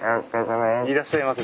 いらっしゃいませ。